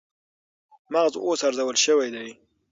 مغز اوس ارزول شوی دی